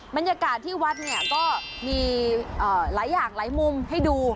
บรรยากาศที่วัดเนี่ยก็มีหลายอย่างหลายมุมให้ดู